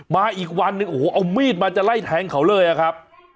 มาอีกวันหนึ่งโอ้โหเอามีดมาจะไล่แทงเขาเลยอะครับ